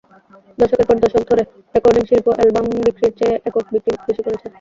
দশকের পর দশক ধরে রেকর্ডিং শিল্প অ্যালবাম বিক্রির চেয়ে একক বিক্রি বেশি করেছে।